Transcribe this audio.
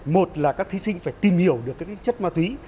một là các thí sinh phải tìm hiểu được chất ma túy